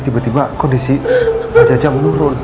tiba tiba kondisi pak jajah menurun